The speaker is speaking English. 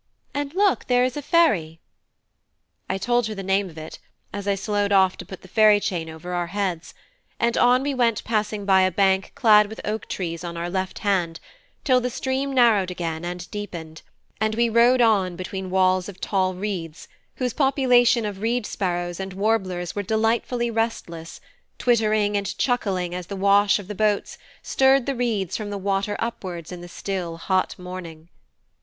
And look, there is a ferry!" I told her the name of it, as I slowed off to put the ferry chain over our heads; and on we went passing by a bank clad with oak trees on our left hand, till the stream narrowed again and deepened, and we rowed on between walls of tall reeds, whose population of reed sparrows and warblers were delightfully restless, twittering and chuckling as the wash of the boats stirred the reeds from the water upwards in the still, hot morning.